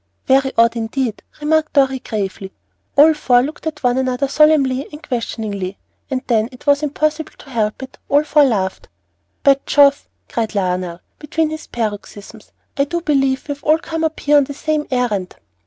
"Very odd indeed," remarked Dorry, gravely. The four looked at one another solemnly and questioningly, and then it was impossible to help it all four laughed. "By Jove!" cried Lionel, between his paroxysms, "I do believe we have all come up here on the same errand!"